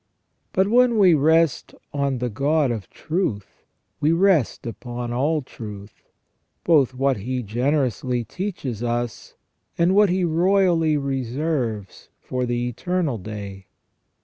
But when we rest on the God of truth, we rest upon all truth, both what He generously teaches us, and what He royally reserves for the eternal day.